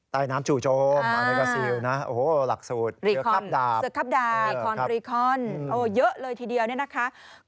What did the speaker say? ไตรน้ำจู่โจมอัเลโก้วซีลนะ